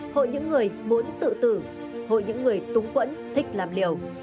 hội những người muốn tự tử hội những người túng quẫn thích làm liều